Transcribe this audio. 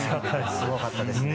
すごかったですね。